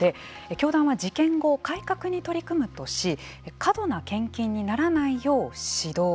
教団は、事件後改革に取り組むとし過度な献金にならないよう指導。